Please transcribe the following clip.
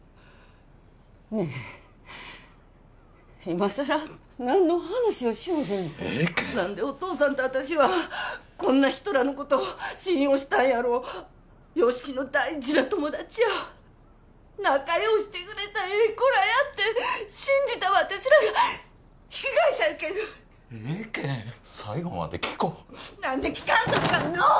ねえいまさら何の話をしよるんよ・ええけんなんでお父さんと私はこんな人らのことを信用したんやろう由樹の大事な友達や仲ようしてくれたええ子らやって信じた私らが被害者やけん・ええけん最後まで聞こうなんで聞かんといかんの！